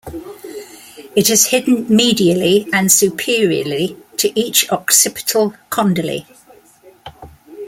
It is hidden medially and superiorly to each occipital condyle.